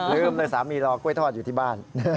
ลืมเลยสามีรอกล้วยทอดอยู่ที่บ้าน